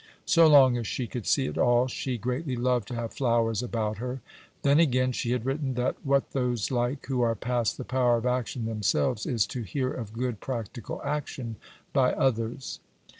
So long as she could see at all, she greatly loved to have flowers about her. Then, again, she had written that what those like who are past the power of action themselves is "to hear of good practical action by others."